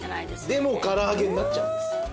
でも唐揚げになっちゃうんです。